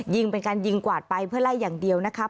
ยิงเป็นการยิงกวาดไปเพื่อไล่อย่างเดียวนะครับ